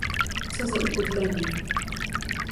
"co za upodlenie!..."